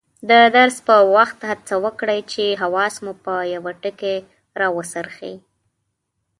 د درس په وخت هڅه وکړئ چې حواس مو په یوه ټکي راوڅرخي.